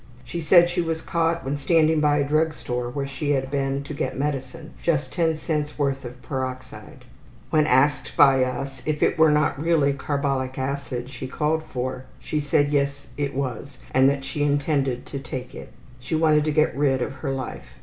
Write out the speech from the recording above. She said she was caught when standing by a drug store where she had been to get medicine, just ten cents worth of peroxide. When asked by us if it were not really carbolic acid she called for, she said yes, it was and that she intended to take it. She wanted to get rid of her life.